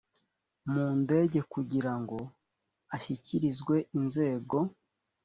mu ndege kugira ngo ashyikirizwe inzego